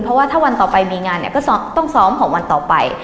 เพราะว่าถ้าวันต่อไปมีงานเนี่ยก็ต้องซ้อมของวันต่อไป